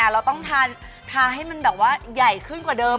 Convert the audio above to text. เราต้องทาให้มันแบบว่าใหญ่ขึ้นกว่าเดิม